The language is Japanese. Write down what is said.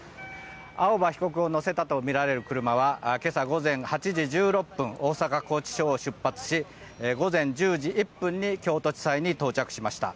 青葉被告を乗せたとみられる車は今朝午前８時１６分大阪拘置所を出発し午前１０時１分に京都地裁に到着しました。